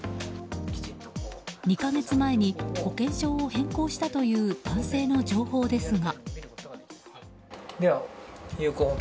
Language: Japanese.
２か月前に保険証を変更したという男性の情報ですが。